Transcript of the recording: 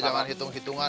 jangan hitung hitung aja